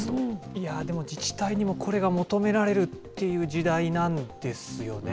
いやー、でも自治体にもこれが求められるっていう時代なんですよね。